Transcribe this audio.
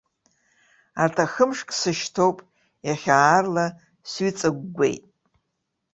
Арҭ ахымшк сышьҭоуп, иахьа аарла сҩыҵыгәгәеит.